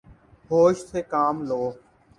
ہوش سے کام لو